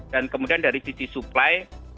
dan kemudian dari sisi supply